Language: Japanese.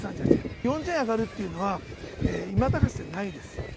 ４０円上がるっていうのは、いまだかつてないです。